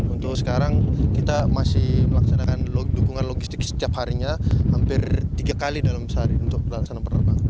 untuk sekarang kita masih melaksanakan dukungan logistik setiap harinya hampir tiga kali dalam sehari untuk pelaksanaan penerbangan